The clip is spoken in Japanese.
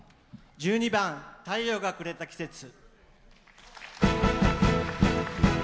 １２番「太陽がくれた季節」。